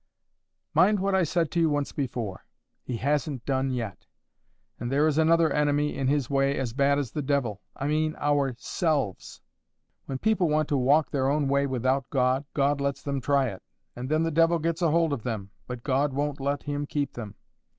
"Mind what I said to you once before: He hasn't done yet. And there is another enemy in His way as bad as the devil—I mean our SELVES. When people want to walk their own way without God, God lets them try it. And then the devil gets a hold of them. But God won't let him keep them.